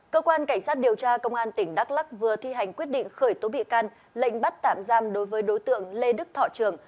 cơ quan cảnh sát điều tra công an tỉnh đắk lắc vừa thi hành quyết định khởi tố bị can lệnh bắt tạm giam đối với đối tượng lê đức thọ trường